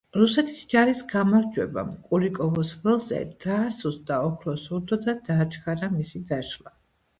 რუსეთის ჯარის გამარჯვებამ კულიკოვოს ველზე დაასუსტა ოქროს ურდო და დააჩქარა მისი დაშლა.